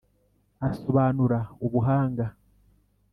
Asobanura ubuhanga.